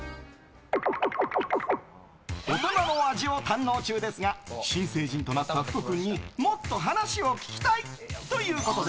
大人の味を堪能中ですが新成人となった福君にもっと話を聞きたい！ということで。